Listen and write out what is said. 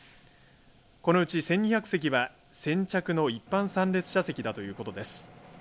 このうち１２００席は先着の一般参列者席だということです。